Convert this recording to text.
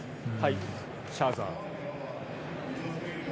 シャーザー。